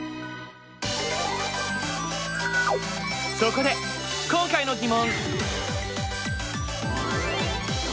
そこで今回の疑問！